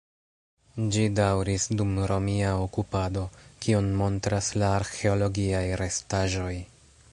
Ĝi daŭris dum romia okupado, kion montras la arĥeologiaj restaĵoj.